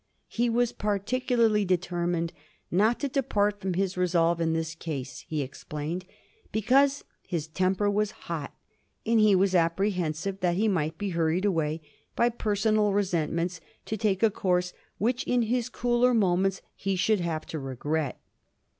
He was particularly determined not to depart fix)m his resolve in this case, he explained, because his temper was hot, and he was apprehensive that he might be hurried away by personal resent ment to take a course which in his cooler moments he should have to regret.